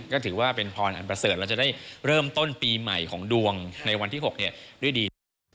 ก็ถือว่าเป็นพรอันประเสริฐเราจะได้เริ่มต้นปีใหม่ของดวงในวันที่๖ด้วยดี